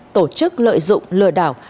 tổ chức lợi dụng lừa đảo